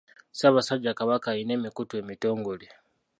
Ssaabasajja Kabaka alina emikutu emitongole.